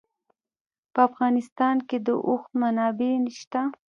په افغانستان کې د اوښ منابع شته.